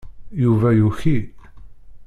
Yuba yuki.